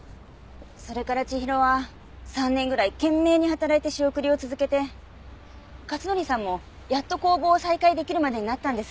それから千尋は３年ぐらい懸命に働いて仕送りを続けて克典さんもやっと工房を再開できるまでになったんです。